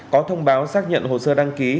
có thông báo xác nhận hồ sơ đăng ký